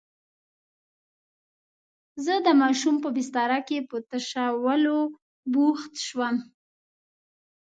زه د ماشوم په بستره کې په تشولو بوخت شوم.